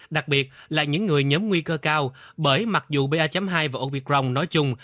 đặc biệt là những người nhóm nguy cơ cao bởi mặc dù pa hai và omicron nói chung